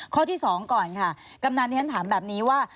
ข้อที่๒ก่อนค่ะกำนันที่ฉันถามแบบนี้ว่า